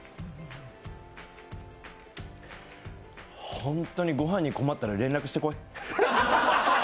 ホントにご飯に困ったら連絡してこい！